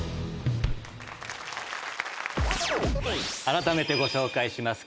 あらためてご紹介します。